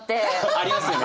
ありますよね。